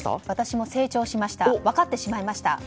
私も成長しました分かってしまいました。